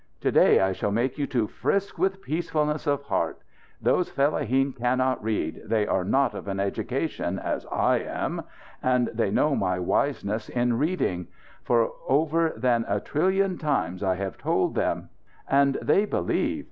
To day I shall make you to frisk with peacefulness of heart. Those fellaheen cannot read. They are not of an education, as I am. And they know my wiseness in reading. For over than a trillion times I have told them. And they believe.